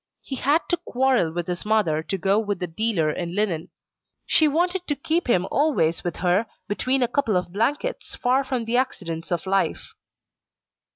He had to quarrel with his mother to go with the dealer in linen. She wanted to keep him always with her, between a couple of blankets, far from the accidents of life.